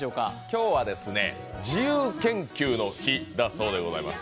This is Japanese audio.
今日は自由研究の日だそうでございます。